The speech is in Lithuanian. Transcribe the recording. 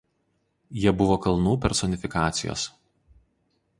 Jie buvo kalnų personifikacijos.